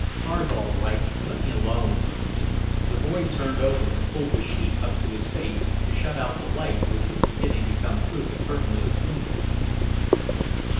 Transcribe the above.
"Car's all right. Let me alone." The boy turned over and pulled the sheet up to his face, to shut out the light which was beginning to come through the curtainless windows.